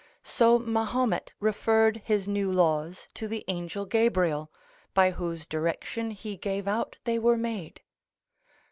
So Mahomet referred his new laws to the angel Gabriel, by whose direction he gave out they were made.